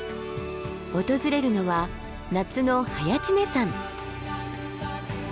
訪れるのは夏の早池峰山。